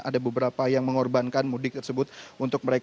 ada beberapa yang mengorbankan mudik tersebut untuk mereka